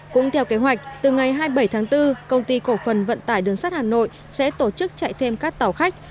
cũng theo kế hoạch từ ngày hai mươi bảy tháng bốn công ty cổ phần vận tải đường sắt hà nội sẽ tổ chức chạy thêm các tàu khách